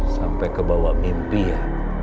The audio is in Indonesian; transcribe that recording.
sampai ke bawah mimpi ya